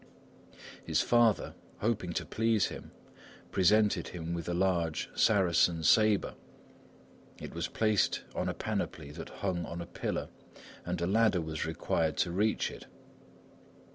His father, hoping to please him, presented him with a large Saracen sabre. It was placed on a panoply that hung on a pillar, and a ladder was required to reach it.